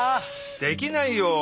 できないよ。